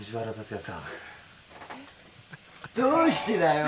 どうしてだよ！